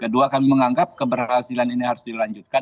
kedua kami menganggap keberhasilan ini harus dilanjutkan